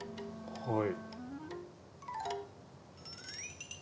はい。